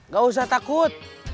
gak usah takut